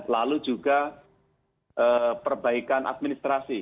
lalu juga perbaikan administrasi